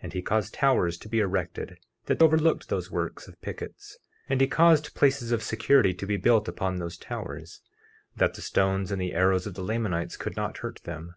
50:4 And he caused towers to be erected that overlooked those works of pickets, and he caused places of security to be built upon those towers, that the stones and the arrows of the Lamanites could not hurt them.